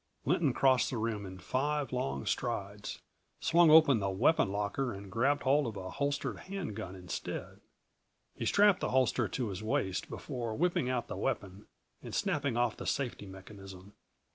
Lynton crossed the room in five long strides, swung open the weapon locker and grabbed hold of a holstered hand gun instead. He strapped the holster to his waist before whipping out the weapon and snapping off the safety mechanism.